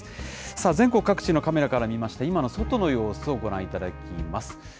さあ、全国各地のカメラから見ました、今の外の様子をご覧いただいています。